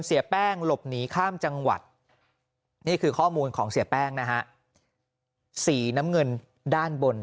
เสียแป้งหลบหนีข้ามจังหวัดนี่คือข้อมูลของเสียแป้งนะฮะสีน้ำเงินด้านบน